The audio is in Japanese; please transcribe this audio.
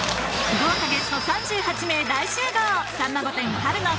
豪華ゲスト３８名大集合！